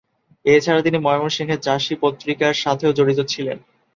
এ ছাড়া তিনি ময়মনসিংহের চাষী পত্রিকার সাথেও জড়িত ছিলেন।